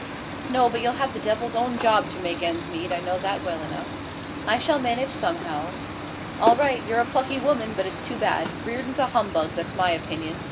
'No, but you'll have the devil's own job to make ends meet; I know that well enough.' 'I shall manage somehow.' 'All right; you're a plucky woman, but it's too bad. Reardon's a humbug, that's my opinion.